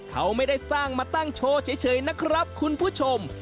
เขาไม่ได้สร้างมาตั้งโชว์เฉยนะครับคุณผู้ชม